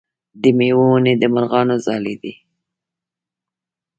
د میوو ونې د مرغانو ځالې دي.